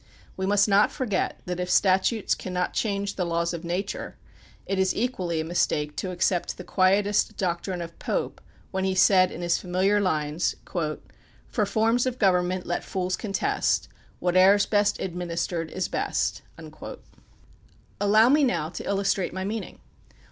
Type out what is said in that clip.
We must not forget that if statutes cannot change the laws of nature, it is equally a mis take to accept the Quietist doctrine of Pope when he said in his familiar lines: "For forms of government let fools contest; Whate'er is best administered is best." Allow me now to illustrate my meaning.